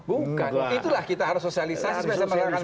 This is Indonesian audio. bukan itulah kita harus sosialisasi bisa mengerjakan frekuensi